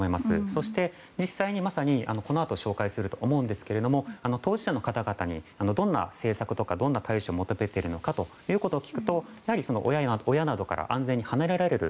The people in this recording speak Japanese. そして実際にまさにこのあと紹介すると思うんですけれども当事者の方々にどんな政策や対処を求めているのかということを聞くとやはり親などから安全に離れられる。